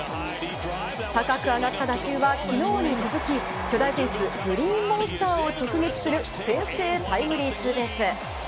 高く上がった打球は、昨日に続き巨大フェンスグリーンモンスターを直撃する先制タイムリーツーベース。